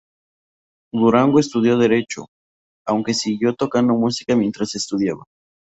Durango estudió derecho, aunque siguió tocando música mientras estudiaba.